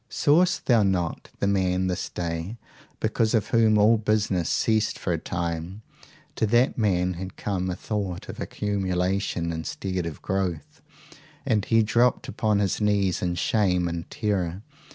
Sawest thou not the man this day because of whom all business ceased for a time? to that man had come a thought of accumulation instead of growth, and he dropped upon his knees in shame and terror.